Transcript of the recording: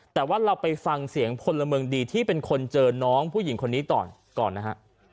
แต่ว่าเราไปฟังเสียงพลเมืองดีที่เป็นคนเจอน้องผู้หญิงคนนี้ก่อนก่อนนะฮะ